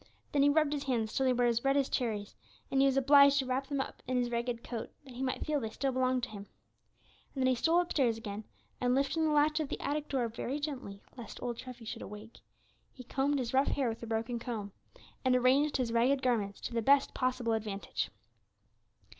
Then he rubbed his hands till they were as red as cherries, and he was obliged to wrap them up in his ragged coat that he might feel they still belonged to him. And then he stole upstairs again, and lifting the latch of the attic door very gently, lest old Treffy should awake, he combed his rough hair with a broken comb, and arranged his ragged garments to the best possible advantage.